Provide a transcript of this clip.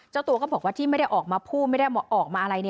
เจ้าตัวก็บอกว่าที่ไม่ได้ออกมาพูดไม่ได้ออกมาอะไร